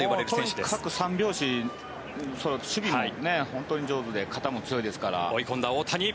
とにかく三拍子守備も本当に上手で肩も強いですから。